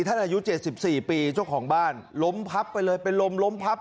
อายุ๗๔ปีเจ้าของบ้านล้มพับไปเลยเป็นลมล้มพับ